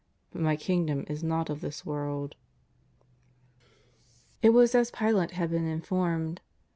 but My Kingdom is not of this world." It was as Pilate had been informed.